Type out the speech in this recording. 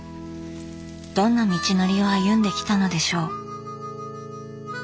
どんな道のりを歩んできたのでしょう。